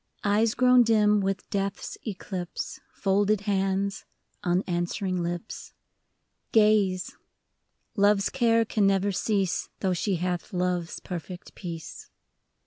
Eyes grown dim with Death's eclipse. Folded hands, unanswering lips — Gaze, — Love's care can never cease, Though she hath Love's perfect peace.